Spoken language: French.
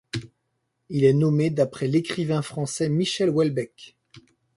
Il est nommé d'après l'écrivain français Michel Houellebecq.